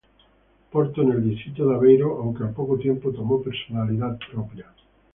Porto en el distrito de Aveiro, aunque al poco tiempo tomó personalidad propia.